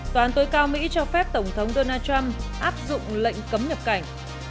tòa án tối cao mỹ cho phép tổng thống donald trump áp dụng lệnh cấm nhập cảnh